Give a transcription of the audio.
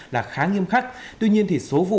là khá nghiêm khắc tuy nhiên thì số vụ